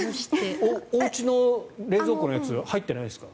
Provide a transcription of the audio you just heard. おうちの冷蔵庫に入ってないですか。